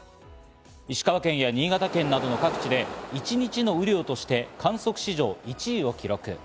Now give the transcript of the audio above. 石川県や新潟県などの各地で一日の雨量として観測史上１位を記録。